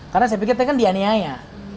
karena saya pikir kan dia niaya